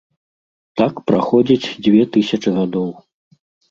Так праходзіць дзве тысячы гадоў.